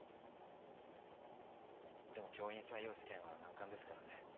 でも教員採用試験は難関ですからね。